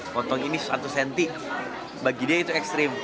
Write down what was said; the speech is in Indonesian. potong ini satu cm bagi dia itu ekstrim